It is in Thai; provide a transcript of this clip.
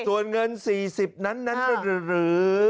ส่วนเงิน๔๐นั้นหรือ